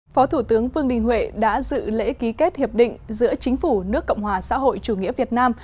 phó thủ tướng vương đình huệ đã dự lễ ký kết hiệp định giữa chính phủ nước cộng hòa xã hội chủ nghĩa việt nam